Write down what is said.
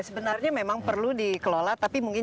sebenarnya memang perlu dikelola tapi mungkin